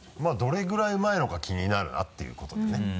まぁどれぐらいうまいのか気になるなっていうことでね。